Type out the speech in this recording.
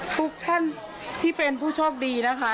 ทุกท่านที่เป็นผู้โชคดีนะคะ